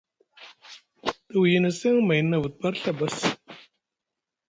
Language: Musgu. Te wiyini seŋ mayni nʼavut par Ɵa bas.